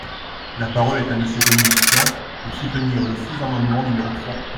La parole est à Monsieur Dominique Tian, pour soutenir le sous-amendement numéro trois.